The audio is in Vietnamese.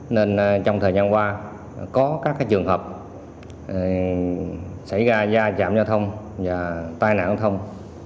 nên trong thời gian qua có các trường hợp xảy ra gia trạm giao thông và tai nạn giao thông